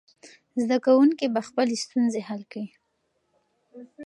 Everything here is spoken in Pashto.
زده کوونکي به خپلې ستونزې حل کړي.